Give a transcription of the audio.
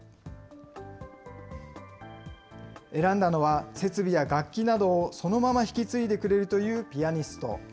選んだのは、設備や楽器などをそのまま引き継いでくれるというピアニスト。